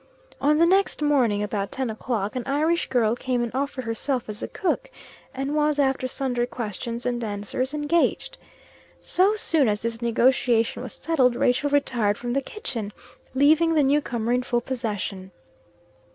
On the next morning, about ten o'clock, an Irish girl came and offered herself as a cook, and was, after sundry questions and answers, engaged. So soon as this negotiation was settled, Rachel retired from the kitchen, leaving the new comer in full possession.